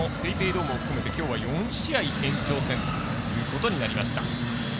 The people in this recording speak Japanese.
ドームを含めてきょうは４試合延長戦ということになりました。